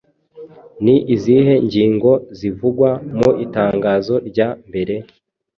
Ni izihe ngingo zivugwa mu itangazo rya mbere,